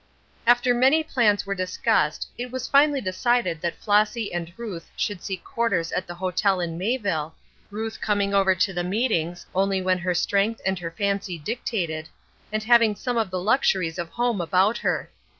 After many plans were discussed it was finally decided that Flossy and Ruth should seek quarters at the hotel in Mayville, Ruth coming over to the meetings only when her strength and her fancy dictated, and having some of the luxuries of home about her.